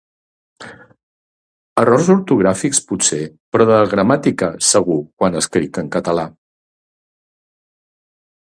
errors ortogràfics potser, però de gramàtica segur, quan escric en català